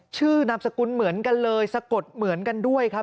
นามสกุลเหมือนกันเลยสะกดเหมือนกันด้วยครับ